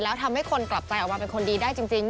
แล้วทำให้คนกลับใจออกมาเป็นคนดีได้จริง